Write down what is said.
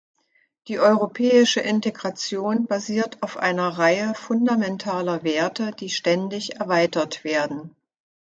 Die europäische Integration basiert auf einer Reihe fundamentaler Werte, die ständig erweitert werden.